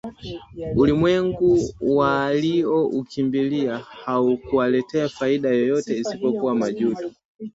Ulimwengu walioukimbilia haukuwaletea faida yoyote isipokuwa majuto